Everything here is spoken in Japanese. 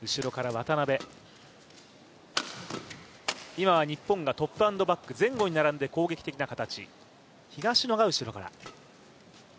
今日本がトップアンドバック、前後に並んで攻撃的な形。